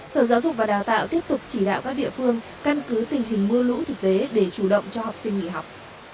sở giáo dục và đào tạo tiếp tục chỉ đạo các địa phương căn cứ tình hình mưa lũ thực tế để chủ động cho học sinh nghỉ học